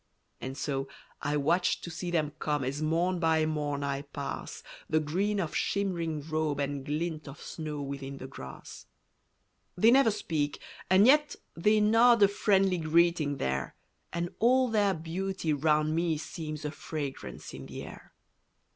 And so, I watch to see them come As morn by morn I pass, The green of shimmering robe and glint Of snow within the grass. They never speak and yet they nod A friendly greeting there, And all their beauty round me seems A fragrance in the air.